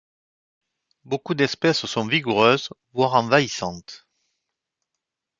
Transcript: Beaucoup d'espèces sont vigoureuses, voire envahissantes.